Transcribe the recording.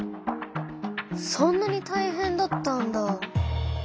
そんなにたいへんだったんだ。